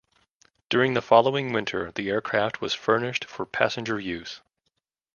During the following winter the aircraft was furnished for passenger use.